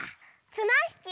つなひき？